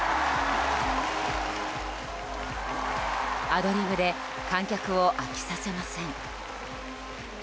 アドリブで観客を飽きさせません。